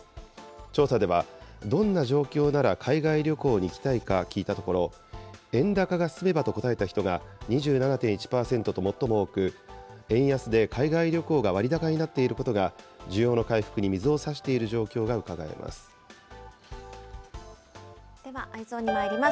調査では、どんな状況なら海外旅行に行きたいか聞いたところ、円高が進めばと答えた人が、２７．１％と最も多く、円安で海外旅行が割高になっていることが需要の回復に水をさしてでは、Ｅｙｅｓｏｎにまいります。